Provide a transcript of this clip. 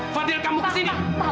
fadil kamu kesini